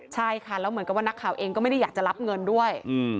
ใช่ค่ะแล้วเหมือนกับว่านักข่าวเองก็ไม่ได้อยากจะรับเงินด้วย